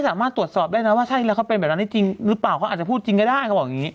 สามารถตรวจสอบได้นะว่าใช่แล้วเขาเป็นแบบนั้นได้จริงหรือเปล่าเขาอาจจะพูดจริงก็ได้เขาบอกอย่างนี้